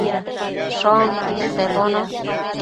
Shoquid sebono